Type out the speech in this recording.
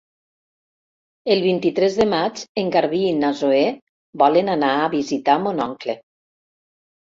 El vint-i-tres de maig en Garbí i na Zoè volen anar a visitar mon oncle.